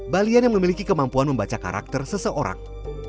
balian yang memiliki kemampuan membaca karakter seseorang